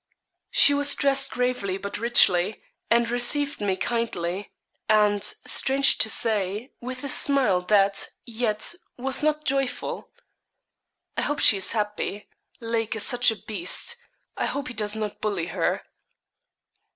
She was dressed gravely but richly, and received me kindly and, strange to say, with a smile that, yet, was not joyful. 'I hope she is happy. Lake is such a beast; I hope he does not bully her.'